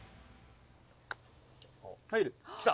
入るきた。